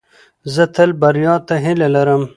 زه تل بریا ته هیله لرم.